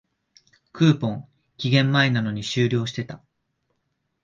クーポン、期限前なのに終了してた